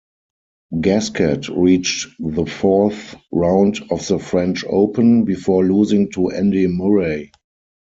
Gasquet reached the fourth round of the French Open, before losing to Andy Murray.